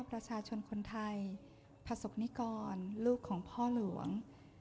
ประชาชนคนไทยประสบนิกรลูกของพ่อหลวง